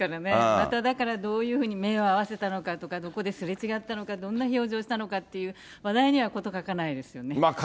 まただから、どういうふうに目を合わせたのかとか、どこですれ違ったのか、どんな表情したのかっていう話題には事欠かないですよね。